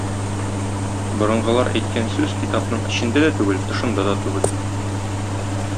Борынгылар әйткән сүз китапның эчендә дә түгел, тышында да түгел.